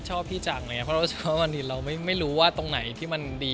ชอบพี่จังเพราะเรารู้สึกว่าบางทีเราไม่รู้ว่าตรงไหนที่มันดี